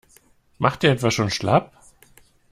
Macht ihr etwa schon schlapp?